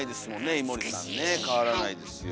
井森さんね変わらないですよ。